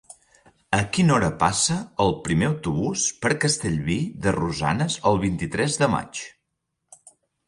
A quina hora passa el primer autobús per Castellví de Rosanes el vint-i-tres de maig?